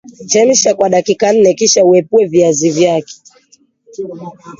Chemsha kwa dakika nne kisha uepue viazi vyake